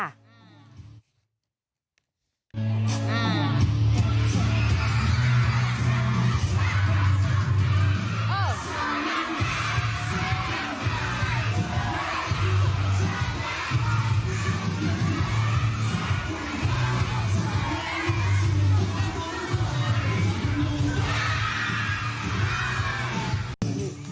ยรดีคร๊าบ